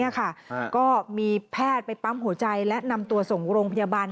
ก็มีแพทย์ไปปั๊มหัวใจและนำตัวส่งโรงพยาบาล